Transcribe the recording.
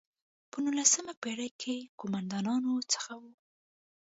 په نولسمه پېړۍ کې قوماندانانو څخه وو.